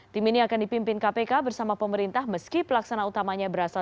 tim ini akan dipimpin kpk bersama pemerintah meski pelaksana utamanya berasal